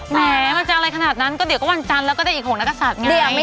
แม้มันจะอะไรขนาดนั้นก็เดี๋ยวก็วันจันทร์แล้วก็ได้อีก๖นักศัตริย์ไง